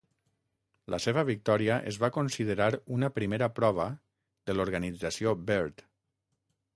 La seva victòria es va considerar una primera prova de l'Organització Byrd.